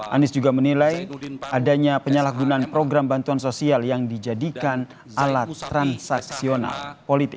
anies juga menilai adanya penyalahgunaan program bantuan sosial yang dijadikan alat transaksional politik